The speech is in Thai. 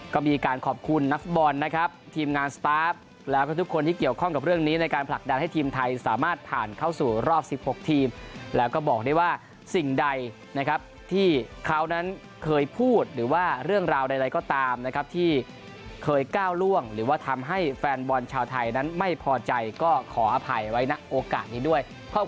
ก็มีการขอบคุณนักฟุตบอลนะครับทีมงานสตาร์ฟแล้วก็ทุกคนที่เกี่ยวข้องกับเรื่องนี้ในการผลักดันให้ทีมไทยสามารถผ่านเข้าสู่รอบ๑๖ทีมแล้วก็บอกได้ว่าสิ่งใดนะครับที่เขานั้นเคยพูดหรือว่าเรื่องราวใดก็ตามนะครับที่เคยก้าวล่วงหรือว่าทำให้แฟนบอลชาวไทยนั้นไม่พอใจก็ขออภัยไว้ณโอกาสนี้ด้วย